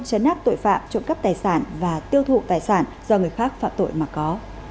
chấn áp tội phạm trộm cắp tài sản và tiêu thụ tài sản do người khác phạm tội mà có